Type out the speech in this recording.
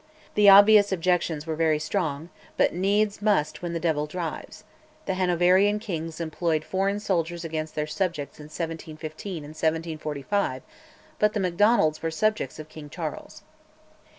The obvious objections were very strong; but "needs must when the devil drives": the Hanoverian kings employed foreign soldiers against their subjects in 1715 and 1745; but the Macdonalds were subjects of King Charles.